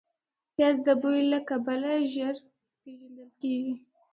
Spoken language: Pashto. پیاز د بوی له کبله ژر پېژندل کېږي